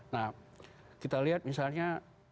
nah kita lihat misalnya